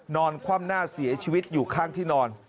คว่ำหน้าเสียชีวิตอยู่ข้างที่นอน